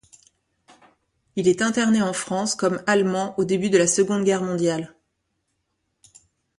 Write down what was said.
Il est interné en France comme allemand au début de la Seconde Guerre mondiale.